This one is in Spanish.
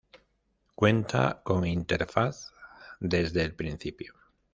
Cuenta con interfaz desde el principio.